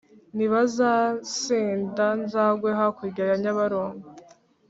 nibazansinda nzagwe hakurya ya nyabarongo.